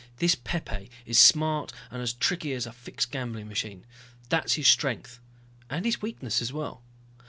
"This Pepe is smart and as tricky as a fixed gambling machine. That's his strength and his weakness as well.